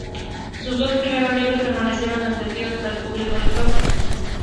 Sus dos primeros libros permanecieron inadvertidos para el público lector.